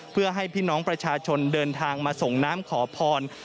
เพื่อให้พี่น้องประชาชนเดินทางมาส่งน้ำขอพร